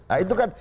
nah itu kan